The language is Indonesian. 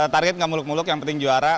target gak muluk muluk yang penting juara